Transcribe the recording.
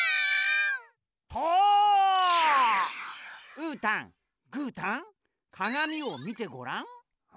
うーたんぐーたんかがみをみてごらん。